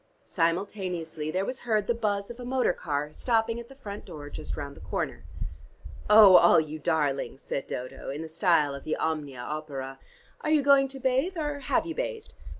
Simultaneously there was heard the buzz of a motor car stopping at the front door just round the corner. "Oh, all you darlings," said Dodo, in the style of the 'Omnia opera,' "are you going to bathe, or have you bathed?